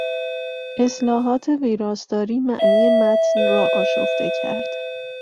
اصلاحات ویراستاری معنی متن را آشفته کرد.